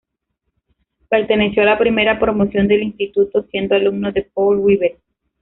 Perteneció a la primera promoción del Instituto, siendo alumno de Paul Rivet.